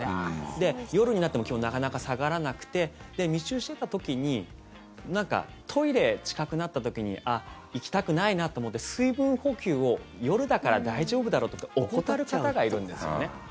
で、夜になっても気温、なかなか下がらなくて密集してた時にトイレ、近くなった時に行きたくないなと思って水分補給を夜だから大丈夫だろうとか怠る方がいるんですよね。